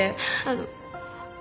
あの。